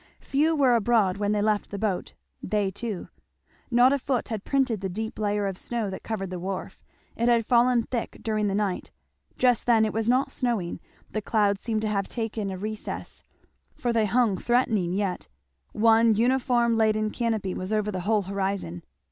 Few were abroad when they left the boat, they two. Not a foot had printed the deep layer of snow that covered the wharf. It had fallen thick during the night. Just then it was not snowing; the clouds seemed to have taken a recess, for they hung threatening yet; one uniform leaden canopy was over the whole horizon.